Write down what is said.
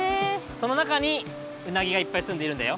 そのなかにうなぎがいっぱいすんでいるんだよ。